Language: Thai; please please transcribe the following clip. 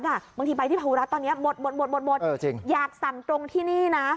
บางทีไปที่ภาวรัฐตอนนี้หมดอยากสั่งตรงที่นี่นะ